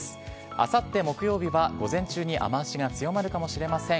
あさって木曜日は午前中に雨足が強まるかもしれません。